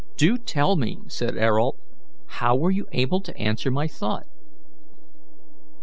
"Do tell me," said Ayrault, "how you were able to answer my thought."